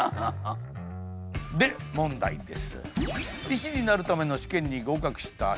で問題です。